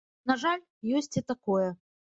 На жаль, ёсць і такое.